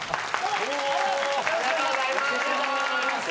ありがとうございます。